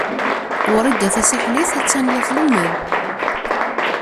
Wrida Tasaḥlit a-tt-an la tlemmed.